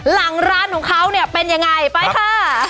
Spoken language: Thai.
หลังร้านของเขาเนี่ยเป็นยังไงไปค่ะ